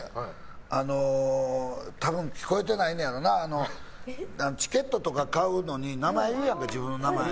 時々、聞こえてないねやろなチケットとか買うのに名前言うやんか、自分の名前。